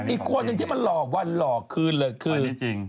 อีกคนที่มันหล่อว่าหล่อขึ้นเลยคือ